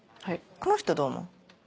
この人どう思う？